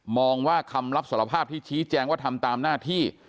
มองว่าคำรับสารภาพที่ชี้แจงว่าทำตามหน้าที่